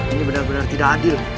ini benar benar tidak adil